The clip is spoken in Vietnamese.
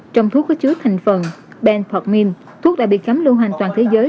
trong thuốc có chứa thành phần benphortmin thuốc đã bị khám lưu hoàn toàn thế giới